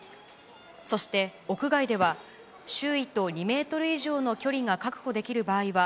そして屋外では、周囲と２メートル以上の距離が確保できる場合は、